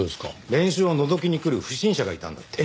練習をのぞきに来る不審者がいたんだって。